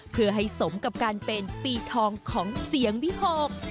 เพื่อให้สมกับการเป็นปีทองของเสียงวิหก